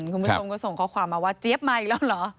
คุณผู้ชมก็ส่งข้อความมาว่าเจี๊ยบมาอีกแล้วเหรอ